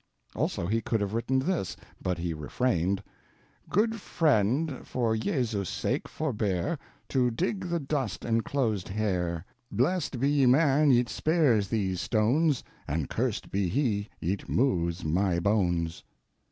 Also, he could have written this, but he refrained: Good friend for Iesus sake forbeare To digg the dust encloased heare: Blest be ye man yt spares thes stones And curst be he yt moves my bones.